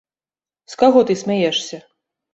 З каго ты смяешся?